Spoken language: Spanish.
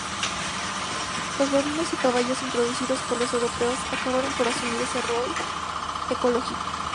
Los bovinos y caballos introducidos por los europeos acabaron por asumir ese rol ecológico.